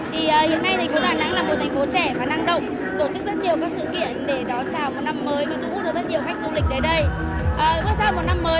hiện nay thành phố đà nẵng là một thành phố trẻ và năng động tổ chức rất nhiều các sự kiện để đón chào một năm mới